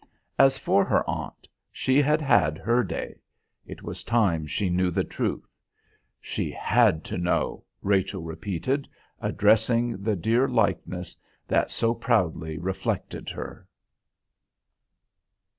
As for her aunt, she had had her day. It was time she knew the truth. "She had to know," Rachel repeated, addressing the dear likeness that so proudly reflected her.